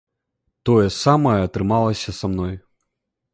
Тое самае атрымалася са мной.